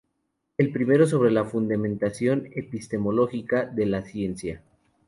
El primero sobre la fundamentación epistemológica de la ciencia.